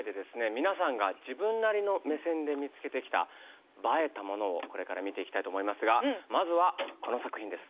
皆さんが自分なりの目線で見つけてきたＢＡＥたものをこれから見ていきたいと思いますがまずはこの作品です。